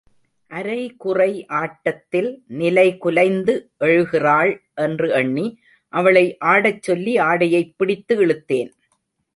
அரைகுறை ஆட்டத்தில் நிலைகுலைந்து எழுகிறாள் என்று எண்ணி அவளை ஆடச் சொல்லி ஆடையைப் பிடித்து இழுத்தேன்.